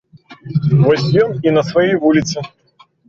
Вось ён і на сваёй вуліцы.